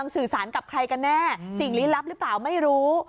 สื่อสารกับใครกันแน่สิ่งลี้ลับหรือเปล่าไม่รู้